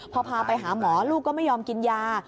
พอพาไปหาหมอลูกก็ไม่ยอมกินยา